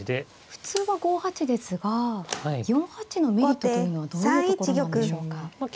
普通は５八ですが４八のメリットというのはどういうところなんでしょうか。